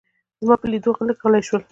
زما په لیدو لږ غلي شول.